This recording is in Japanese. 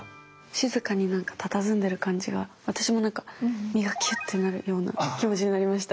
静かにたたずんでる感じが私もなんか身がきゅってなるような気持ちになりました。